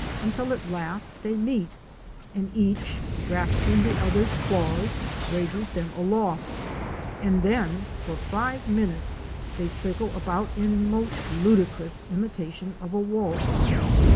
17 until at last they meet, and each grasping the other's claws, raises them aloft, and then for five minutes they circle about in most ludicrous imitation of a waltz.